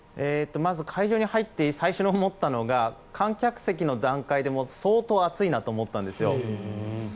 まず会場に入って最初に思ったのが観客席の段階で相当暑いなと思ったんですよ。